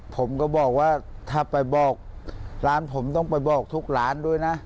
ผมก็บอกว่าถ้าไปบอกร้านผมต้องไปบอกทุกร้านด้วยนะ